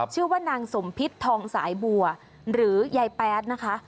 ชื่อว่านางสมพิษทองสายบัวหรือยายแป๊ดนะคะ